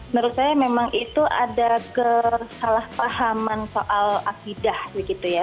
menurut saya memang itu ada kesalahpahaman soal akidah begitu ya